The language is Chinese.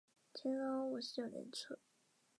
沙斐仪学派规定了五个权威的教法来源。